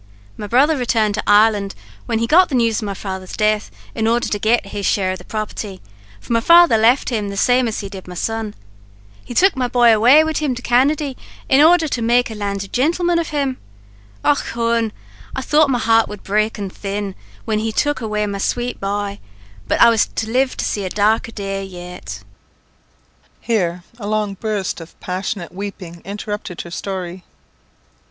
"My brother returned to Ireland when he got the news of my father's death, in order to get his share of the property, for my father left him the same as he did my son. He took away my bhoy wid him to Canady, in order to make a landed jintleman of him. Och hone! I thought my heart would broken thin, whin he took away my swate bhoy; but I was to live to see a darker day yet." Here a long burst of passionate weeping interrupted her story.